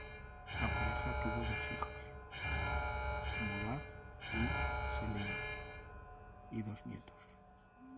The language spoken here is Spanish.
La pareja tuvo dos hijos, Murat y Selim, y dos nietos.